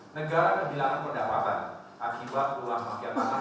negara kehilangan pendapatan akibat uang mafiatan